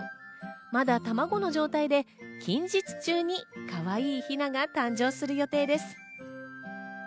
まだ卵の状態で、近日中にかわいいヒナが誕生する予定です。